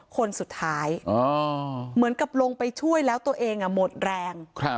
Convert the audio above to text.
คนสุดท้ายเหมือนกับลงไปช่วยแล้วตัวเองหมดแรง